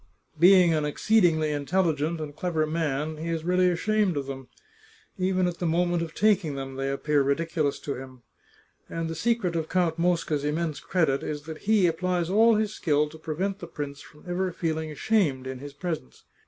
Being an exceedingly intelligent and clever man, he really is ashamed of them. Even at the mo ment of taking them they appear ridiculous to him. And the secret of Count Mosca's immense credit is that he ap plies all his skill to prevent the prince from ever feeling ashamed in his presence.